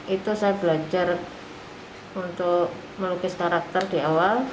itu saya belajar untuk melukis karakter di awal